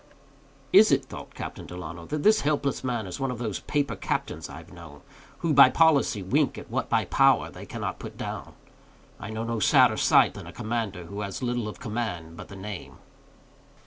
Is it, thought Captain Delano, that this hapless man is one of those paper captains I've known, who by policy wink at what by power they cannot put down? I know no sadder sight than a commander who has little of command but the name.